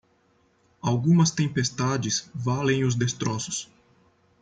Algumas tempestades valem os destroços.